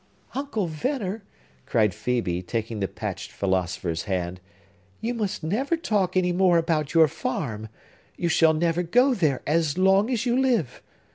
"Uncle Venner," cried Phœbe, taking the patched philosopher's hand, "you must never talk any more about your farm! You shall never go there, as long as you live!